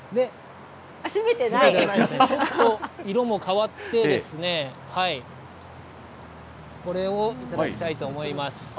ちょっと色も変わって、これをいただきたいと思います。